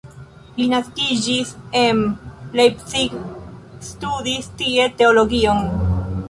Li naskiĝis en Leipzig, studis tie teologion.